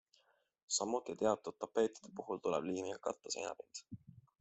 Samuti teatud tapeetide puhul tuleb liimiga katta seinapind.